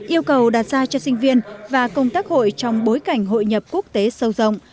yêu cầu đặt ra cho sinh viên và công tác hội trong bối cảnh hội nhập quốc tế sâu rộng